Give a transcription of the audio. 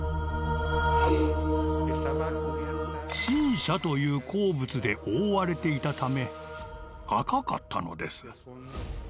辰砂という鉱物で覆われていたため赤かったのです。